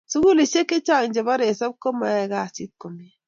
sukulisek che chang che bo resap komai kasit komie